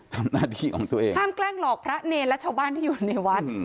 ทำหน้าที่ของตัวเองห้ามแกล้งหลอกพระเนรและชาวบ้านที่อยู่ในวัด